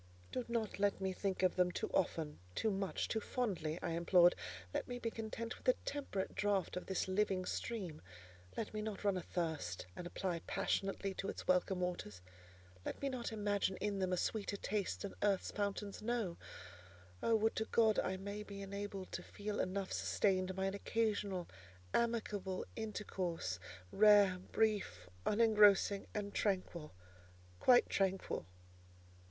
"Do not let me think of them too often, too much, too fondly," I implored: "let me be content with a temperate draught of this living stream: let me not run athirst, and apply passionately to its welcome waters: let me not imagine in them a sweeter taste than earth's fountains know. Oh! would to God I may be enabled to feel enough sustained by an occasional, amicable intercourse, rare, brief, unengrossing and tranquil: quite tranquil!"